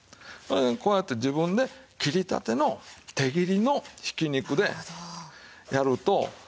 こうやって自分で切りたての手切りのひき肉でやると。